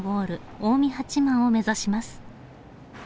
近江八幡を目指します。